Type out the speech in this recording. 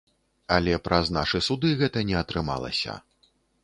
Але праз нашы суды гэта не атрымалася.